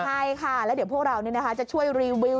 ใช่ค่ะแล้วเดี๋ยวพวกเราจะช่วยรีวิว